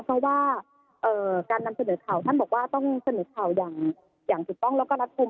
เพราะว่าการนำเสนอข่าวท่านบอกว่าต้องเสนอข่าวอย่างถูกต้องแล้วก็รัดกลุ่ม